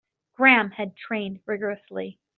Graham had trained rigourously.